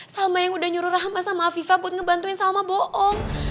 salma yang udah nyuruh rahmat sama afifah buat ngebantuin salma bohong